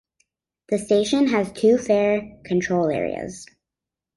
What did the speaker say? This station has two fare control areas.